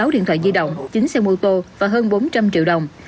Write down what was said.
một mươi sáu điện thoại di động chín xe mô tô và hơn bốn trăm linh triệu đồng